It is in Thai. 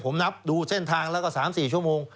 ผมนับดูเส้นทางแล้วก็๓๔ชั่วโมง